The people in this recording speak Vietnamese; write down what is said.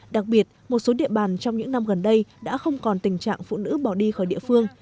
đặc biệt một số địa bàn trong những năm gần đây đã không còn tình trạng phụ nữ bỏ đi khỏi địa phương